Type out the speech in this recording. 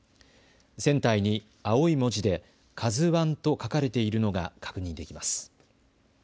船体に青い文字でＫＡＺＵＩと書かれているのが確認できます。